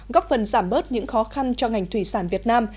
góp phần giảm bớt những khó khăn cho ngành thủy sản việt nam